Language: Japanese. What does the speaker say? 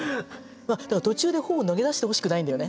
途中で本を投げ出してほしくないんだよね。